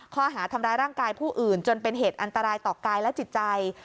ข้อหาทำร้ายร่างกายผู้อื่นจนเป็นเหตุอันตรายต่อกายและจิตใจ